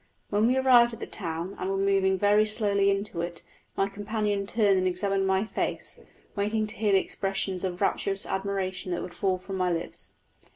When we arrived at the town, and were moving very slowly into it, my companion turned and examined my face, waiting to hear the expressions of rapturous admiration that would fall from my lips.